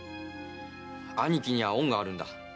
兄貴には恩があるんだ。